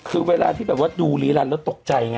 คือเวลาที่แบบว่าดูรีรันแล้วตกใจไง